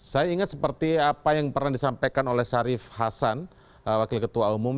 saya ingat seperti apa yang pernah disampaikan oleh syarif hasan wakil ketua umum